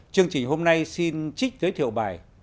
chương trình hôm nay xin trích giới thiệu bài